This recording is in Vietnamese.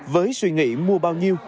với suy nghĩ mua bao nhiêu